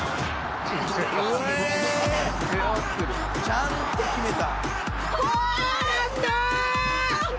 「ちゃんと決めた」